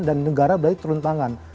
dan negara berarti turun tangan